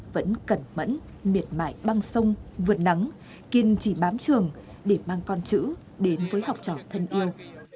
vẫn cẩn mẫn miệt mại băng sông vượt nắng kiên trì bám trường để mang con chữ đến với học trò thân yêu